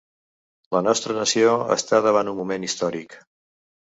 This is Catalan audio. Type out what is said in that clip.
La nostra nació està davant un moment històric.